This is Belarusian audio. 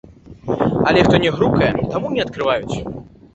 Але хто не грукае, таму не адкрыюць.